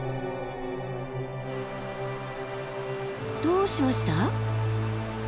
どうしました？